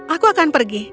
aku akan pergi